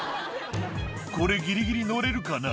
「これギリギリ乗れるかな」